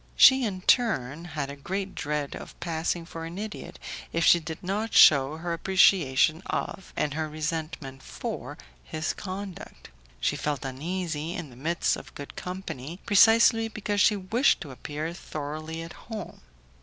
She, in her turn, had a great dread of passing for an idiot if she did not shew her appreciation of, and her resentment for, his conduct. She felt uneasy in the midst of good company, precisely because she wished to appear thoroughly at home.